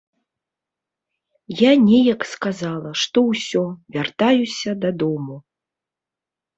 Я неяк сказала, што ўсё, вяртаюся дадому.